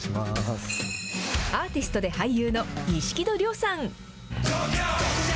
アーティストで俳優の錦戸亮さん。